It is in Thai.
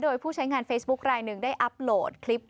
โดยผู้ใช้งานเฟซบุ๊คลายหนึ่งได้อัพโหลดคลิป